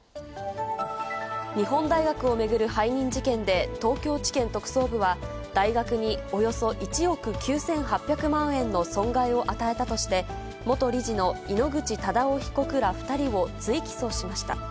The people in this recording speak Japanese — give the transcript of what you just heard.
日本大学を巡る背任事件で、東京地検特捜部は、大学におよそ１億９８００万円の損害を与えたとして、元理事の井ノ口忠男被告ら２人を追起訴しました。